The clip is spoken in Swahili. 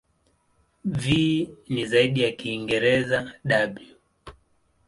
V ni zaidi ya Kiingereza "w".